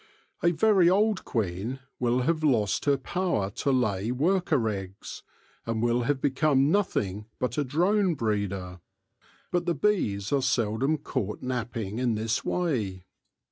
A very old queen will have lost her power to lay worker eggs, and will have become nothing but a drone breeder. But the bees are seldom caught napping in this way.